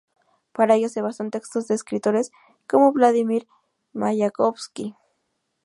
Para ello se basó en textos de escritores como Vladímir Mayakovski.